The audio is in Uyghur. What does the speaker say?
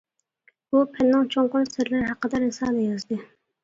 بۇ پەننىڭ چوڭقۇر سىرلىرى ھەققىدە رىسالە يازدى.